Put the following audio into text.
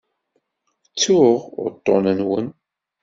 Ttuɣ uṭṭun-nwen.